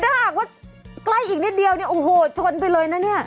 ถ้าหากว่าใกล้อีกนิดเดียวเนี่ยโอ้โหชนไปเลยนะเนี่ย